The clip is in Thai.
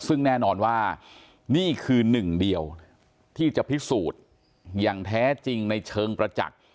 ซึ่งแน่นอนว่านี่คือหนึ่งเดียวที่จะพิสูจน์อย่างแท้จริงในเชิงประจักษ์